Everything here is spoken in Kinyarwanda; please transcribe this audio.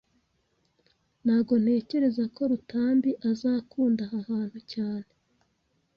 Ntago ntekereza ko Rutambi azakunda aha hantu cyane